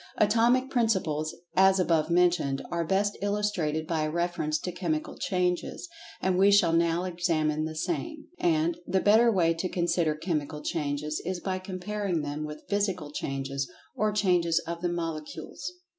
Atomic Principles, as above mentioned, are best illustrated by a reference to Chemical changes, and we shall now examine the same. And, the better way to consider Chemical Changes is by comparing them with Physical Changes, or Changes of the Molecules.